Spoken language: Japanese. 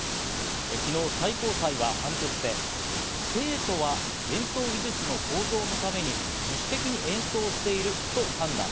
昨日、最高裁は判決で、生徒は演奏技術の向上のために自主的に演奏していると判断。